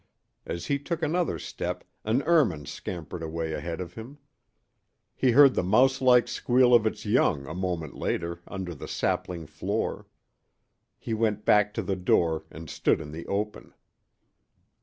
As he took another step an ermine scampered away ahead of him. He heard the mouselike squeal of its young a moment later under the sapling floor. He went back to the door and stood in the open.